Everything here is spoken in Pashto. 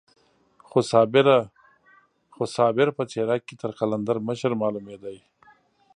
خو صابر په څېره کې تر قلندر مشر معلومېده.